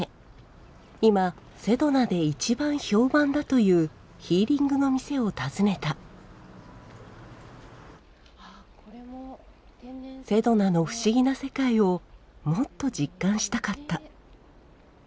今セドナで一番評判だというヒーリングの店を訪ねたセドナの不思議な世界をもっと実感したかった。